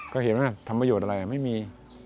ก็เห็นว่าทำประโยชน์อะไรไม่มี